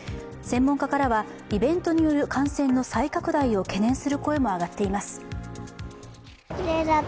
専門家からはイベントによる感染の再拡大を懸念する声も上がっています。